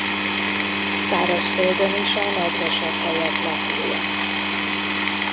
Szárazföldön is a nedvesebb helyek lakója.